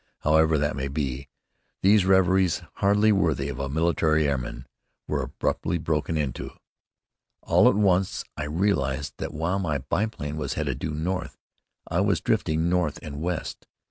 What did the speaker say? However that may be, these reveries, hardly worthy of a military airman, were abruptly broken into. All at once, I realized that, while my biplane was headed due north, I was drifting north and west.